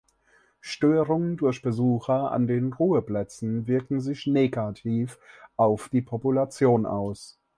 Störungen durch Besucher an den Ruheplätzen wirken sich negativ auf die Population aus.